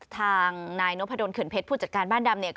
ทางนายนพดลเขื่อนเพชรผู้จัดการบ้านดำเนี่ย